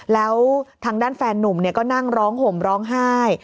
แล้วทางด้านแฟนนุ่มก็นั่งร้องห่มร้องไห้